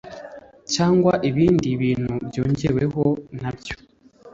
cyangwa ibindi bintu byongereweho nabyo